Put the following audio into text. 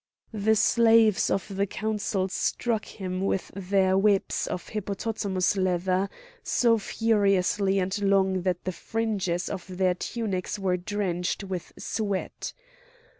The slaves of the Council struck him with their whips of hippopotamus leather, so furiously and long that the fringes of their tunics were drenched with sweat.